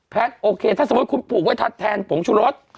โอเคถ้าสมมุติคุณปลูกไว้ทัดแทนผงชุรส